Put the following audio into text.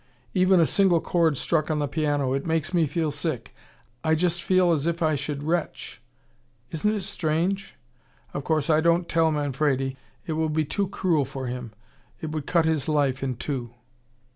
Even a single chord struck on the piano. It makes me feel sick. I just feel as if I should retch. Isn't it strange? Of course, I don't tell Manfredi. It would be too cruel to him. It would cut his life in two."